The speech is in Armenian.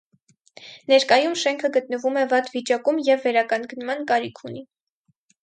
Ներկայում շենքը գտնվում է վատ վիճակում և վերականգնման կարիք ունի։